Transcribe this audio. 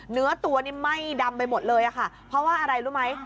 เนื้อตัวนี่ไหม้ดำไปหมดเลยค่ะเพราะว่าอะไรรู้ไหม